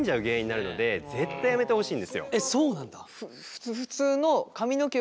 えっそうなんだ。